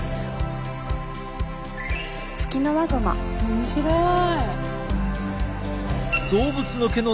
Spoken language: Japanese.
面白い。